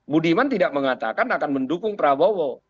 budiman tidak mengatakan akan mendukung prabowo